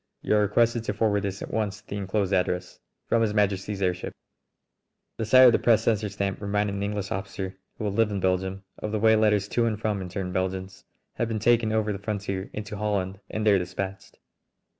You are requested to forward this at once to the inclosed address. From His Majesty's airship ." The sight of the press censor stamp reminded an English officer, who had lived in Belgium, of the way letters to and from interned Belgians have been taken over the frontier into Holland and there dispatched.